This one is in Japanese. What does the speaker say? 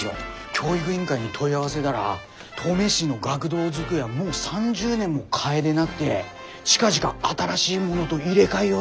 教育委員会に問い合わせだら登米市の学童机はもう３０年も替えでなくて近々新しいものど入れ替えようどしてるらしいんです。